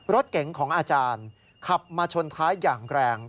รถเก๋งของอาจารย์ขับมาชนท้ายอย่างแรง